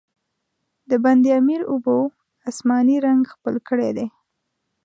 د بند امیر اوبو، آسماني رنګ خپل کړی دی.